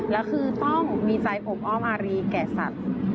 แล้วคือต้องมีใจอบอ้อมอารีแก่สัตว์